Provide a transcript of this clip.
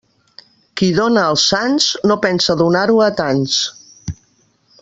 Qui dóna als sants, no pensa donar-ho a tants.